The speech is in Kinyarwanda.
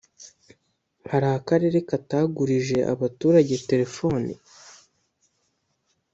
hari akarere katagurije abaturage telefoni ?